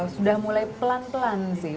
sudah mulai pelan pelan sih